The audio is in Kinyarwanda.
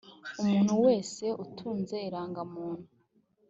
umuntu wese atunze irangamuntu.